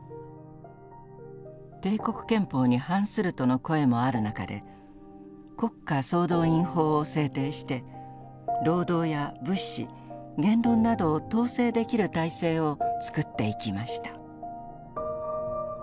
帝国憲法に反するとの声もある中で国家総動員法を制定して労働や物資言論などを統制できる体制をつくっていきました。